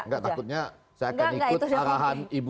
gak takutnya saya akan ikut arahan ibu